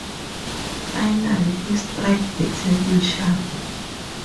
Finally he struck the table sharply.